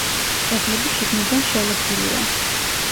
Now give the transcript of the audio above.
კედლები შიგნიდან შელესილია.